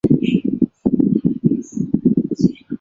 曾任英国皇家海军后备队中校。